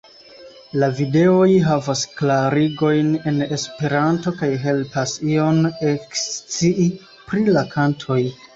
La videoj havas klarigojn en Esperanto kaj helpas ion ekscii pri la kantoj.